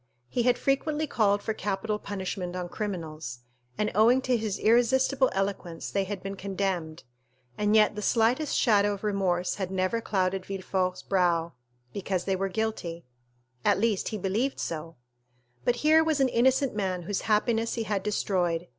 He had frequently called for capital punishment on criminals, and owing to his irresistible eloquence they had been condemned, and yet the slightest shadow of remorse had never clouded Villefort's brow, because they were guilty; at least, he believed so; but here was an innocent man whose happiness he had destroyed.